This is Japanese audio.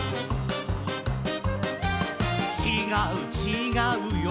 「ちがうちがうよ」